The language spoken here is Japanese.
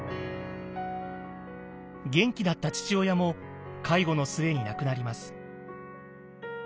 元気だった父親も介護の末に亡くなります。